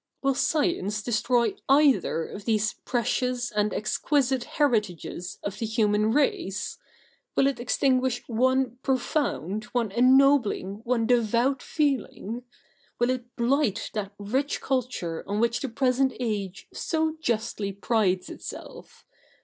'Will science destroy either of these precious and exquisite heritages of the human racft? Will it extinguish one profound, one ennobling, one devout feeling ? Will it blight that rich culture on which the present age so justly prides itself?